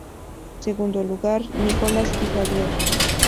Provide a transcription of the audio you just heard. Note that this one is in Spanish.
Segundo lugar: Nicolás y Javier.